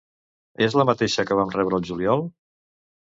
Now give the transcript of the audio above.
És la mateixa que vam rebre al juliol?